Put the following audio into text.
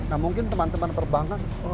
nah mungkin teman teman perbankan